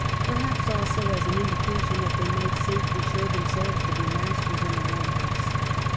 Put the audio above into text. Perhaps also as an indication that they might safely show themselves to be masters in their own house.